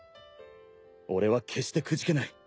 俺は決してくじけない。